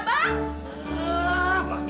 ya allah merdeka bang